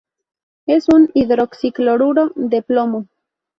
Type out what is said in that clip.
Es un hidroxi-cloruro de plomo.